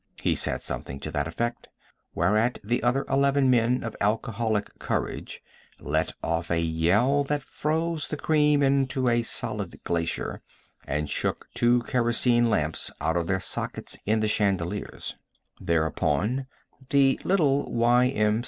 He said something to that effect, whereat the other eleven men of alcoholic courage let off a yell that froze the cream into a solid glacier, and shook two kerosene lamps out of their sockets in the chandeliers. [Illustration: HE YELLED MURDER.] Thereupon, the little Y.M.